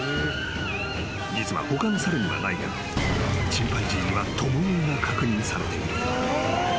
［実は他の猿にはないがチンパンジーには共食いが確認されている］